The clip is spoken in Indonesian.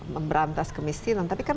memberantas kemiskinan tapi kan